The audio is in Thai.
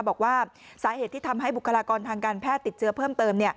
บอกว่าสาเหตุที่ทำให้บุคลากรทางการแพทย์ติดเชื้อเพิ่มเติม